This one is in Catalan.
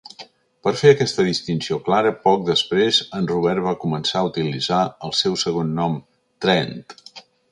Per fer aquesta distinció clara, poc després, en Robert va començar a utilitzar el seu segon nom "Trent".